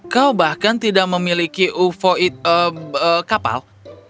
kau bahkan tidak memiliki ufoid kapal